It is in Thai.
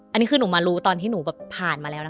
อันนี้คือหนูมารู้ตอนที่หนูแบบผ่านมาแล้วนะคะ